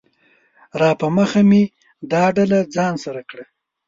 راپه مخه مې دا ډله ځان سره کړه